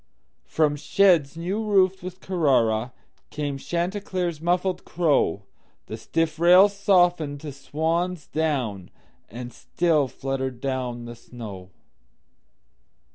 From sheds new roofed with CarraraCame Chanticleer's muffled crow, The stiff rails softened to swan's down, And still fluttered down the snow.